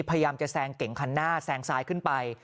พยายามจะแซงเก่งคันหน้าแซงซ้ายขึ้นไป